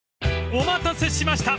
［お待たせしました！